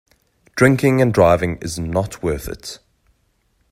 Drinking and driving is not worth it.